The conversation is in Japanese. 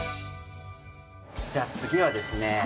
じゃあ次はですね